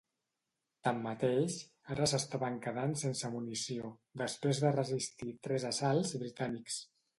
Tanmateix, ara s'estaven quedant sense munició, després de resistir tres assalts britànics.